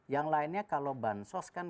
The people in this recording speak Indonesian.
yang lainnya kalau bansos kan